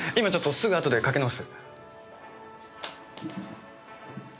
すぐあとでかけ直す。